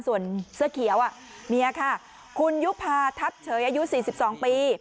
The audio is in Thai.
ส่วนเสื้อเขียวอ่ะเมียค่ะคุณยุภาทัพเฉยอายุสี่สิบสองปี